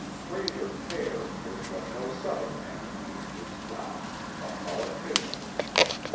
Frayser père was what no Southern man of means is not—a politician.